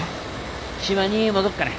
島に戻っかね。